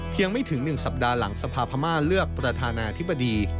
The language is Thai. ยังไม่ถึง๑สัปดาห์หลังสภาพม่าเลือกประธานาธิบดี